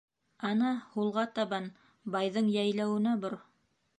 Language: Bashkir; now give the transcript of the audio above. Ана, һулға табан — байҙың йәйләүенә бор!